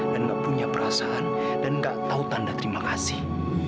dan gak punya perasaan dan gak tahu tanda terima kasih